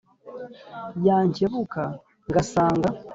Yankebuka ngasanga